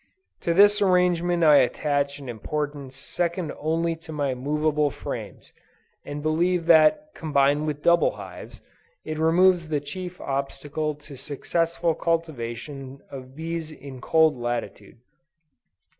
To this arrangement I attach an importance second only to my movable frames, and believe that combined with doubled hives, it removes the chief obstacle to the successful cultivation of bees in cold latitudes.